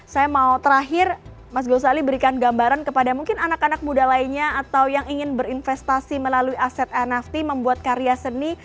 saya mau terakhir mas ghazali berikan gambaran kepada mungkin anak anak muda lainnya atau yang ingin berinvestasi melalui aset nft membuat karya seni